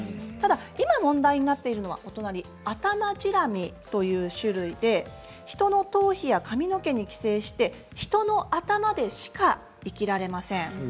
ただ今、問題になっているのはアタマジラミという種類でヒトの頭皮や髪の毛に寄生してヒトの頭でしか生きられません。